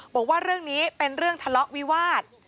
บอกว่าเรื่องนี้เป็นเรื่องทะเลาะวิวาส